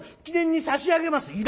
「記念に差し上げます」。